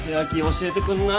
教えてくんない？